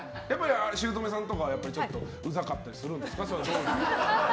姑さんとかやっぱりウザかったりするんですか？